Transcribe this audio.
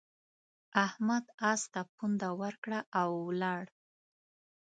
احمد اس ته پونده ورکړه او ولاړ.